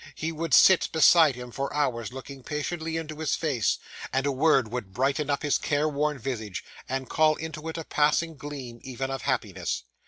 He would sit beside him for hours, looking patiently into his face; and a word would brighten up his care worn visage, and call into it a passing gleam, even of happiness.